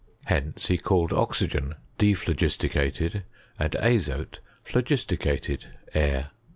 Hence he called oxygen dvphloyislicated, and azote phlogisticated air.